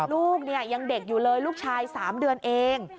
ลูกเนี่ยยังเด็กอยู่เลยลูกชาย๓เดือนเอง